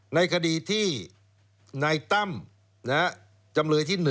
ในคดีที่นายตั้มจำเลยที่๑